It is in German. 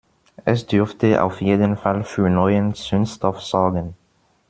Es dürfte auf jeden Fall für neuen Zündstoff sorgen.